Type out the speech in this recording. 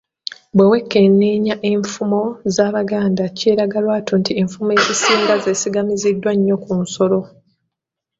Bwe wekenneenya enfumo z’Abaganda kyeraga lwatu nti enfumo ezisinga zeesigamiziddwa nnyo ku nsolo.